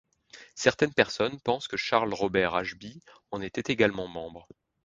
Certaines personnes pensent que Charles Robert Ashbee en était également membre.